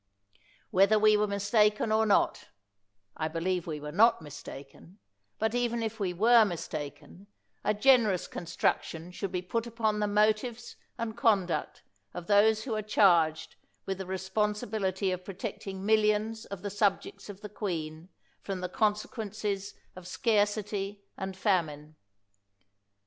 Whether we were mistaken or not — I believe we were not mistaken, but even if we were mistaken — a generous construction should be put upon the motives and conduct of those who are charged with the responsibility of protecting millions of the subjects of the Queen from the consequences of scarcity and famine.